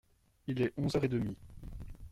Il est onze heures et demi.